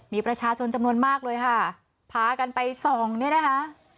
มีประชาชนจำนวนมากเลยค่ะพากันไปส่องเนี่ยนะคะ